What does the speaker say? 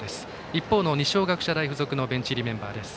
一方の二松学舎大付属のベンチ入りメンバーです。